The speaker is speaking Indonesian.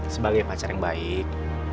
sebagai pacar yang baik